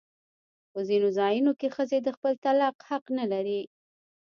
په ځینو ځایونو کې ښځې د خپل طلاق حق نه لري.